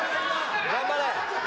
頑張れ。